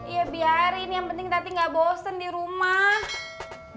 iya biarin yang penting tati gak bosen di rumah